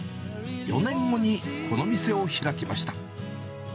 ４年後にこの店を開きました。